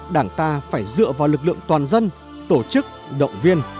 đảng ta phải dựa vào lực lượng toàn dân tổ chức động viên